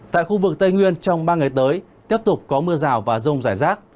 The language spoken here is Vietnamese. tại khu vực tây nguyên trong ba ngày tới tiếp tục có mưa rào và rông rải rác